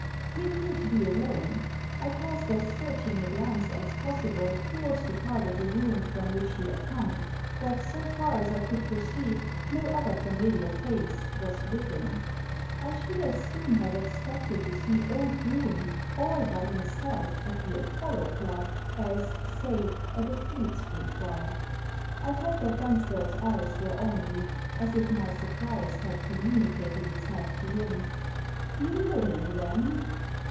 He ap peared to be alone. I cast as searching a glance as possible towards the part of the room from which he had come. But, so far as I could perceive, no other familiar face was with him. I should as soon have expected to see old Groome, "all by him self" at the Apollo Club as, say, at a Fleet Street bar. I felt that Bensberg's eyes were on me — as if my surprise had communicated itself to him. " You know him then